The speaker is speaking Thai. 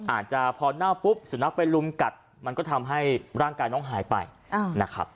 อาจจะพอเน่าปุ๊บสุนัขไปลุมกัดมันก็ทำให้ร่างกายน้องหายไปนะครับ